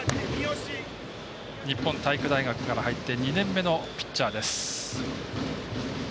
日本体育大学から入って２年目のピッチャーです。